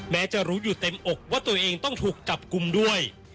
แม้จะรู้อยู่เต็มอกว่าตัวเองต้องถูกจับกลุ่มด้วย